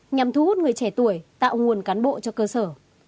nhằm thu hút người trẻ tuổi tạo nguồn cán bộ cho cơ sở